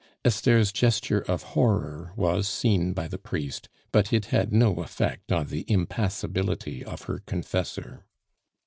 Esther's gesture of horror was seen by the priest, but it had no effect on the impassibility of her confessor.